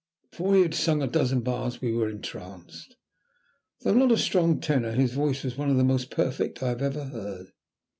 Before he had sung a dozen bars we were entranced. Though not a strong tenor his voice was one of the most perfect I have ever heard.